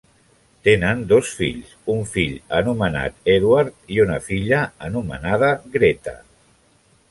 Tenen dos fills, un fill anomenat Edward i una filla anomenada Greta.